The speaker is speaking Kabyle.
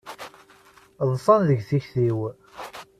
Ḍsan deg tikti-w.